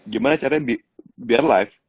gimana caranya biar live